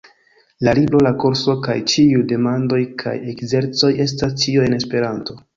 La libro, la kurso, kaj ĉiuj demandoj kaj ekzercoj estas ĉio en Esperanto.